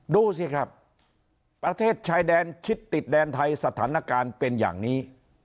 ดูสิครับประเทศชายแดนชิดติดแดนไทยสถานการณ์เป็นอย่างนี้